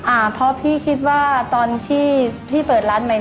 อ่าเพราะพี่คิดว่าตอนที่พี่เปิดร้านใหม่